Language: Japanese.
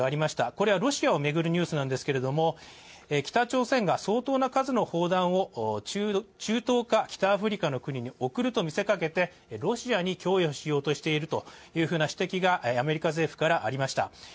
これはロシアを巡るニュースなんですけれども、北朝鮮が相当な数の砲弾を中東か北アフリカの国に送ると見せかけてロシアに供与しようとしているという指摘がアメリカ政府からありました。